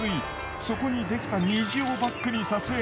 そこにできた虹をバックに撮影。